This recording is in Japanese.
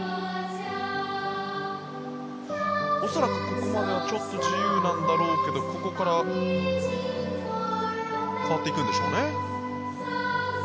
恐らくここまではちょっと自由なんだろうけどここから変わっていくんでしょうね。